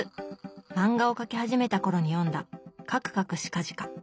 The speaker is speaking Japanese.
漫画を描き始めた頃に読んだ「かくかくしかじか」。